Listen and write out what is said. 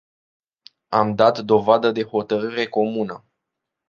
Am dat dovadă de hotărâre comună.